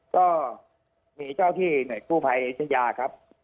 ก็มีเจ้าชั้นที่แน่นายสู้ภัยเอิ้ยนชะยาครับ